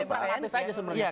ini pragmatis aja sebenarnya